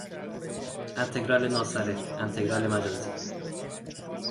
انتگرال ناسره، انتگرال مجازی